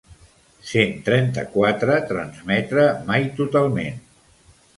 Cent trenta-quatre transmetre mai totalment.